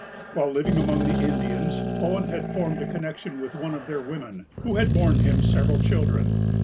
While living among the Indians, Owens had formed a connection with one of their women, who had borne him several children.